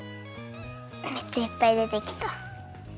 めっちゃいっぱいでてきた。